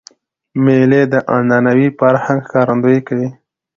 مېلې د عنعنوي فرهنګ ښکارندویي کوي.